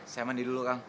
saya mandi dulu kang